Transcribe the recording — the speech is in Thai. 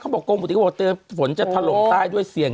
เขาบอกกงพุทิก็บอกว่าเตือนฝนจะถลงใต้ด้วยเสียง